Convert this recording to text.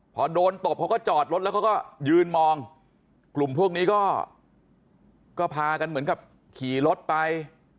พอโดนตบเขาก็จอดรถแล้วเขาก็ยืนมองกลุ่มพวกนี้ก็พากันเหมือนกับขี่รถไป